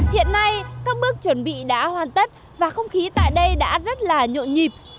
hiện nay các bước chuẩn bị đã hoàn tất và không khí tại đây đã rất là nhộn nhịp